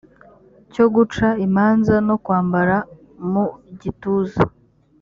cyo guca imanza no kwambara mu gituza